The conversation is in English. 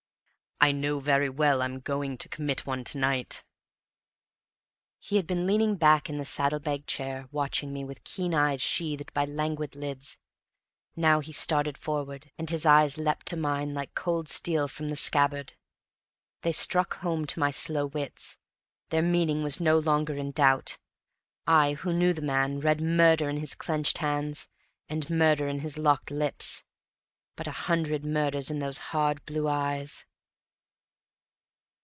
"I know very well I'm going to commit one to night!" He had been leaning back in the saddle bag chair, watching me with keen eyes sheathed by languid lids; now he started forward, and his eyes leapt to mine like cold steel from the scabbard. They struck home to my slow wits; their meaning was no longer in doubt. I, who knew the man, read murder in his clenched hands, and murder in his locked lips, but a hundred murders in those hard blue eyes.